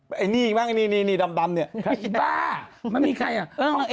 ไอ้นี่บ้างไอ้นี่นี่ดำเนี่ยใครอีบ้ามันมีใครอ่ะ